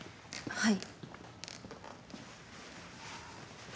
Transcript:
はい。